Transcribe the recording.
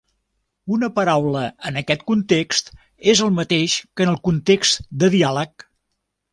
Una paraula en aquest context és el mateix que en el context de diàleg.